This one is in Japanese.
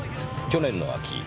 去年の秋